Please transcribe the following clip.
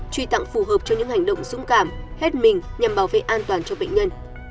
truy tặng phù hợp cho những hành động dũng cảm hết mình nhằm bảo vệ an toàn cho bệnh nhân